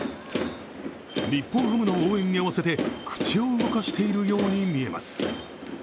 日本ハムの応援に合わせて口を動かしているように見えます。